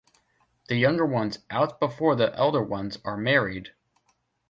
The younger ones out before the elder ones are married!